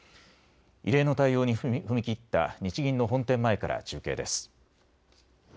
異例の対応に踏み切った日銀の本店前から中継です。